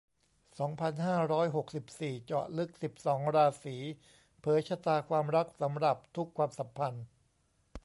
สองพันห้าร้อยหกสิบสี่ เจาะลึก สิบสอง ราศี เผยชะตาความรักสำหรับทุกความสัมพันธ์